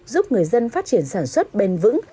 giúp người dân phát triển sản xuất bền vững